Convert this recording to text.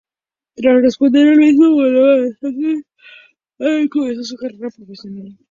Tras responder al mismo voló a Los Ángeles, donde comenzó su carrera profesional.